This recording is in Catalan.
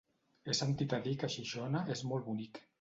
He sentit a dir que Xixona és molt bonic.